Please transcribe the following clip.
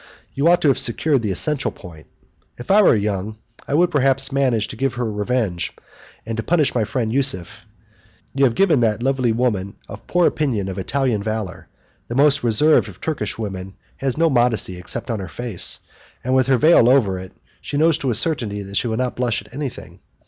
You ought to have secured the essential point. If I were young I would perhaps manage to give her a revenge, and to punish my friend Yusuf. You have given that lovely woman a poor opinion of Italian valour. The most reserved of Turkish women has no modesty except on her face, and, with her veil over it, she knows to a certainty that she will not blush at anything.